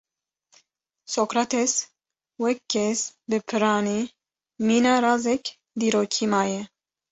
Sokrates wek kes bi piranî mîna razek dîrokî maye.